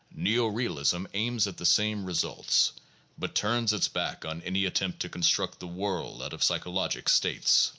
Neo realism aims at the same re sults, but turns its back on any attempt to construct the world out of psychologic states.